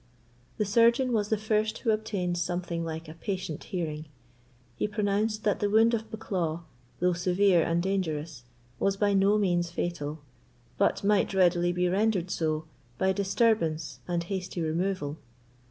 The surgeon was the first who obtained something like a patient hearing; he pronounced that the wound of Bucklaw, though severe and dangerous, was by no means fatal, but might readily be rendered so by disturbance and hasty removal.